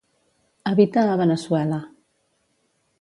Habita a Veneçuela.